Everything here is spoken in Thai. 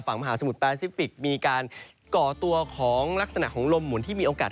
มหาสมุทรแปซิฟิกมีการก่อตัวของลักษณะของลมหมุนที่มีโอกาส